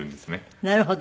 なるほど。